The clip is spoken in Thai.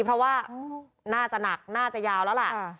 เพราะว่าน่าจะหนักน่าจะยาวแล้วล่ะ